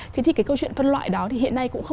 thế thì cái câu chuyện phân loại đó thì hiện nay